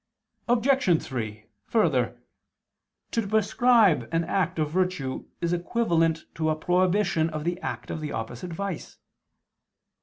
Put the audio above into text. Obj. 3: Further, to prescribe an act of virtue is equivalent to a prohibition of the act of the opposite vice.